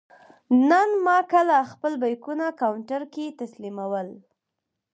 نن ما کله خپل بېکونه کاونټر کې تسلیمول.